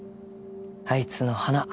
あいつの鼻